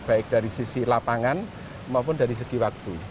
baik dari sisi lapangan maupun dari segi waktu